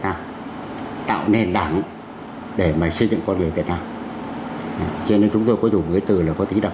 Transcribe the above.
nam tạo nên đảng để mà xây dựng con người việt nam cho nên chúng tôi có dùng cái từ là có tính đặc